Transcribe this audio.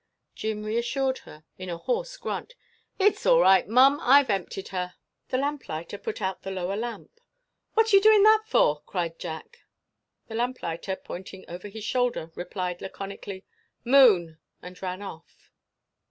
Jim reassured her in a hoarse grunt. "It 's all right, Mum, I 've emptied her." The lamplighter put out the lower lamp. "What are you doing that for?" cried Jack. The lamplighter pointing over his shoulder, replied laconically, "Moon!" and ran off.